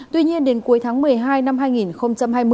tuy nhiên đến cuối tháng một mươi hai năm hai nghìn hai mươi